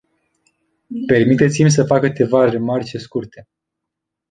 Permiteți-mi să fac câteva remarce scurte.